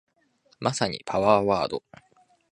まさにパワーワード